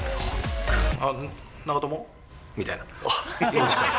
あっ、長友？みたいな。